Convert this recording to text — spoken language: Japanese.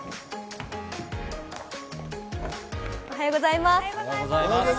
おはようございます。